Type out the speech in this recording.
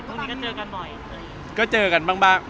โอเคพรุ่งนี้ก็เจอกันบ่อย